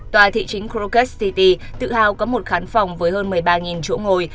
tòa thị chính croges city tự hào có một khán phòng với hơn một mươi ba chỗ ngồi